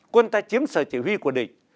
quân ta chiếm sở chỉ huy của địch